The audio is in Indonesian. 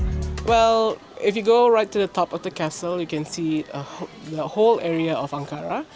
kalau kita pergi ke atas kastil kita bisa melihat seluruh kawasan ankara